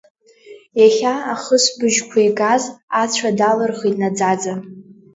Иахьа ахысбыжьқәа игаз ацәа далырхит наӡаӡа.